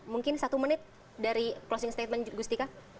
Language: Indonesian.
mungkin satu menit dari closing statement gustika